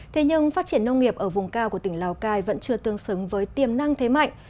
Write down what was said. thế nhưng phát triển nông nghiệp ở vùng cao của tỉnh lào cai vẫn chưa tương xứng với tiềm năng thế mạnh